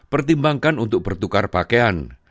pertimbangkan untuk bertukar pakaian